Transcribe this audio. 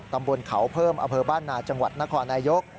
ตำบลเขาเพิ่มอำเภอบ้านนาจังหวัดนครนายก